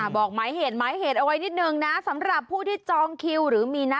บอกหมายเหตุหมายเหตุเอาไว้นิดนึงนะสำหรับผู้ที่จองคิวหรือมีนะ